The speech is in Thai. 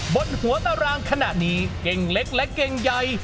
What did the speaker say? บนหัวตารางขณะนี้เก่งเล็กและเก่งใหญ่